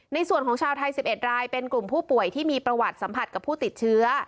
ในส่วนของชาวไทย๑๑รายเป็นกลุ่มผู้ป่วยที่มีประวัติสัมผัสกับผู้ติดเชื้อ